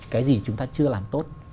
cái gì chúng ta chưa làm tốt